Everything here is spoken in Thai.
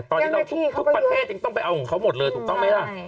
ปลาเทศต้องไปเอาของเขาหมดเลยถูกต้องไหมครับ